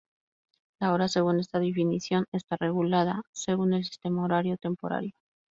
La hora según esta definición está regulada según el Sistema Horario Temporario.